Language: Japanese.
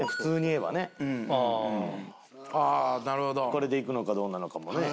これでいくのかどうなのかもね。